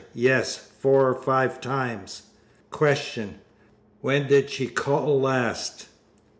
Yes. Four or five times. Q. When did she call last?